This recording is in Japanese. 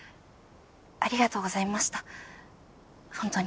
ありがとうございました本当に。